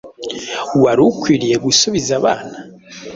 wari ukwiriye gusubiza abana?”